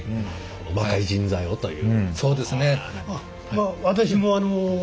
若い人材をという。